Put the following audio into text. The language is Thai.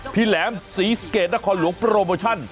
แหลมศรีสะเกดนครหลวงโปรโมชั่น